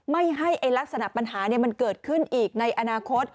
ไม่ให้ลักษณะปัญหามันเกิดขึ้นอีกในอนาคต